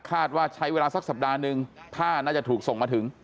ว่าใช้เวลาสักสัปดาห์หนึ่งผ้าน่าจะถูกส่งมาถึง